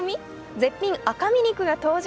絶品赤身肉が登場。